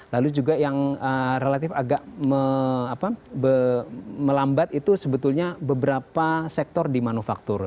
lalu juga yang relatif agak melambat itu sebetulnya beberapa sektor di manufaktur